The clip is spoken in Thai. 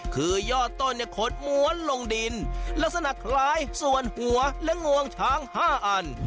คือยอดต้นเนี่ยขดม้วนลงดินลักษณะคล้ายส่วนหัวและงวงช้าง๕อัน